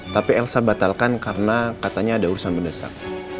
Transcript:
tapi elsa batalkan karena katanya ada urusan mendesak